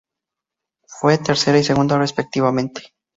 Fue tercera y segunda respectivamente.